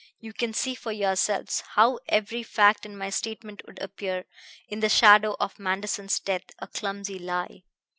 You can see for yourselves how every fact in my statement would appear, in the shadow of Manderson's death, a clumsy lie.